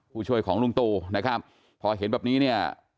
ผู้ช่วยของลุงตูนะครับพอเห็นแบบนี้เนี่ย